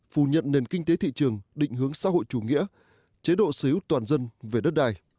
phủ nhận nền kinh tế thị trường định hướng xã hội chủ nghĩa chế độ xứ toàn dân về đất đài